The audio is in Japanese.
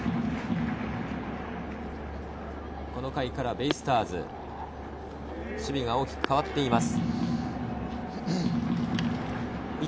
この回からベイスターズ、守備が大きく変わっています。